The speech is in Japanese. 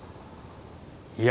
いや。